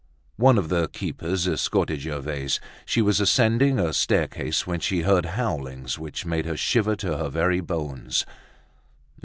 One of the keepers escorted Gervaise. She was ascending a staircase, when she heard howlings which made her shiver to her very bones.